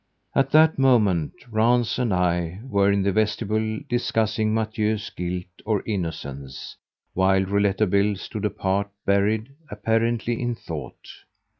At that moment Rance and I were in the vestibule discussing Mathieu's guilt or innocence, while Rouletabille stood apart buried, apparently, in thought.